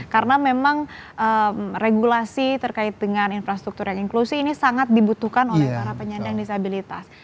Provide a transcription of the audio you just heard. karena memang regulasi terkait dengan infrastruktur yang inklusi ini sangat dibutuhkan oleh para penyandang disabilitas